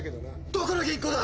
どこの銀行だ！？